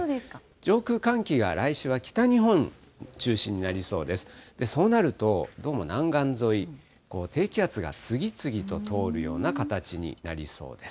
上空、寒気が来週、北日本中心になりそうです。